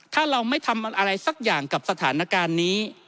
ถ้าเราไม่ทำอะไรสักอย่างกับสถานการณ์นี้